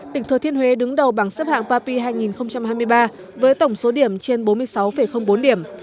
tỉnh thừa thiên huế đứng đầu bảng xếp hạng papi hai nghìn hai mươi ba với tổng số điểm trên bốn mươi sáu bốn điểm